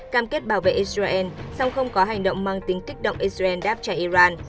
cam kết bảo vệ israel song không có hành động mang tính kích động israel đáp trả iran